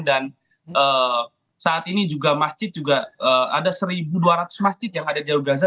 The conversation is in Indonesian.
dan saat ini juga masjid juga ada satu dua ratus masjid yang ada di jalur gaza